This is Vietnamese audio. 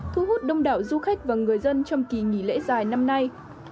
thu hút đông đảo du khách và người dân trong kỳ nghỉ lễ dài năm nay